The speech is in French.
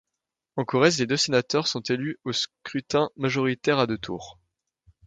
En Corrèze, les deux sénateurs sont élus au scrutin majoritaire à deux tours.